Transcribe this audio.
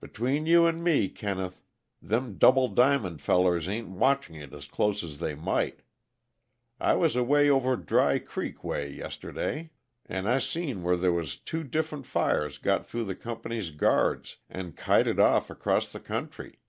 Between you an' me, Kenneth, them Double Diamond fellers ain't watching it as close as they might. I was away over Dry Creek way yesterday, and I seen where there was two different fires got through the company's guards, and kited off across the country.